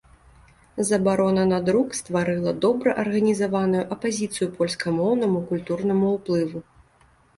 Забарона на друк стварыла добра арганізаваную апазіцыю польскамоўнаму культурнаму ўплыву.